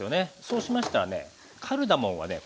そうしましたらねカルダモンはね